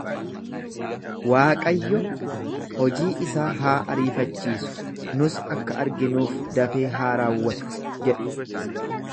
Waaqayyo hojii isaa haa ariifachiisu, nus akka arginuuf dafee haa raawwatu jedhu.